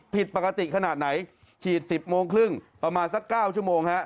ผิดปกติขนาดไหนฉีด๑๐โมงครึ่งประมาณสัก๙ชั่วโมงฮะ